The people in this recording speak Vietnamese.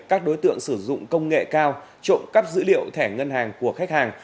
các đối tượng sử dụng công nghệ cao trộm cắp dữ liệu thẻ ngân hàng của khách hàng